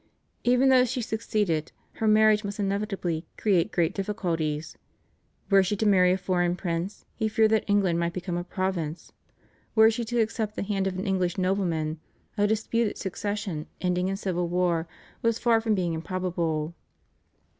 Even though she succeeded, her marriage must inevitably create great difficulties. Were she to marry a foreign prince, he feared that England might become a province; were she to accept the hand of an English nobleman, a disputed succession ending in civil war was far from being improbable.